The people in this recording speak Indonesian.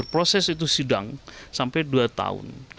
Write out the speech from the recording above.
proses itu sidang sampai dua tahun